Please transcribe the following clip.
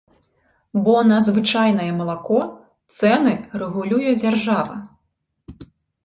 Бо на звычайнае малако цэны рэгулюе дзяржава.